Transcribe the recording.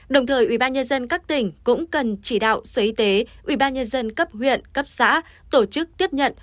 đồng thời ubnd các tỉnh cũng cần chỉ đạo sở y tế ubnd cấp huyện cấp xã tổ chức tiếp nhận